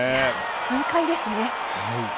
痛快ですね。